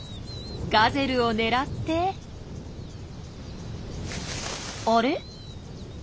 ガゼルを狙ってあれ？